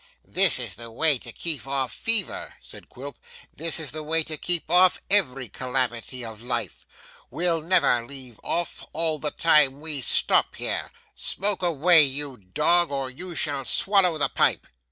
'This is the way to keep off fever,' said Quilp, 'this is the way to keep off every calamity of life! We'll never leave off, all the time we stop here smoke away, you dog, or you shall swallow the pipe!